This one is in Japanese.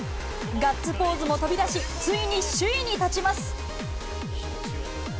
ガッツポーズも飛び出し、ついに首位に立ちます。